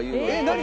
何？